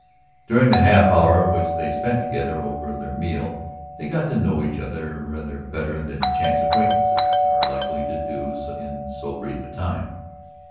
During the half hour which they spent together over their meal they got to know each other rather better than chance acquaintances are likely to do in so brief a time.